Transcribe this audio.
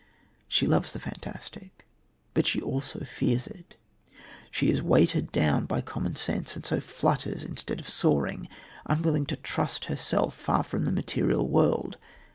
She loves the fantastic, but she also fears it. She is weighted down by commonsense, and so flutters instead of soaring, unwilling to trust herself far from the material world.